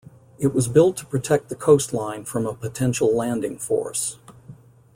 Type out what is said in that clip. It was built to protect the coastline from a potential landing force.